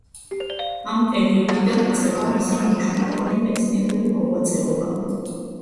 ამ პერიოდიდან იწყება მისი მნიშვნელოვანი მეცნიერული მოღვაწეობა.